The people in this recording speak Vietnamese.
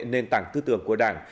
nền tảng tư tưởng của đảng